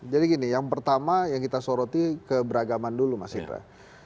jadi gini yang pertama yang kita soroti ke beragaman dulu mas iqra